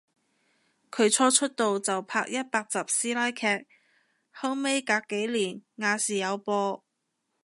佢初出道就拍一百集師奶劇，後尾隔幾年亞視有播